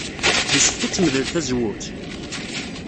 Yessefk ad temdel tazewwut?